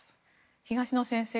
東野先生